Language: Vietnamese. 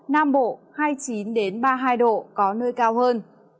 nam bộ hai mươi chín ba mươi hai độ có nơi cao hơn